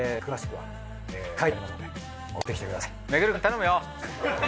はい。